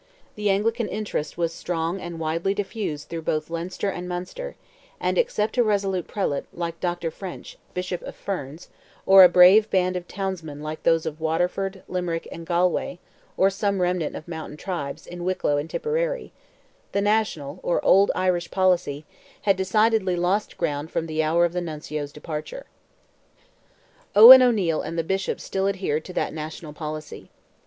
The Anglican interest was strong and widely diffused through both Leinster and Munster; and, except a resolute prelate, like Dr. French, Bishop of Ferns, or a brave band of townsmen like those of Waterford, Limerick, and Galway, or some remnant of mountain tribes, in Wicklow and Tipperary, the national, or "old Irish policy," had decidedly lost ground from the hour of the Nuncio's departure. Owen O'Neil and the Bishops still adhered to that national policy.